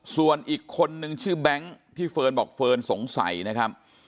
ส่วนอีกคนนึงชื่อแบงค์ที่เฟิร์นบอกเฟิร์นสงสัยนะครับ